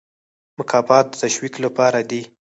مکافات د تشویق لپاره دي